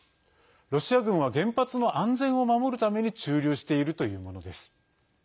ロシア軍は原発の安全を守るために駐留しているというものです。